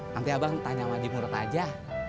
nanti abang tanya sama jimurot aja